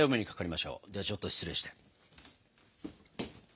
ではちょっと失礼して。